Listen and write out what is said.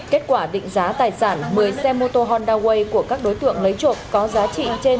kết quả định giá tài sản một mươi xe mô tô honda way của các đối tượng lấy trộm có giá trị trên một trăm linh triệu đồng